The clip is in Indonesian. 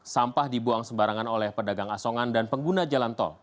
sampah dibuang sembarangan oleh pedagang asongan dan pengguna jalan tol